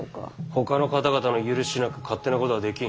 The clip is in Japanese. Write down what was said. ほかの方々の許しなく勝手なことはできん。